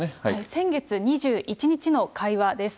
先月２１日の会話です。